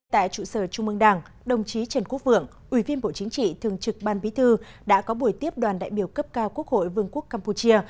tại trụ sở trung mương đảng đồng chí trần quốc vượng ủy viên bộ chính trị thường trực ban bí thư đã có buổi tiếp đoàn đại biểu cấp cao quốc hội vương quốc campuchia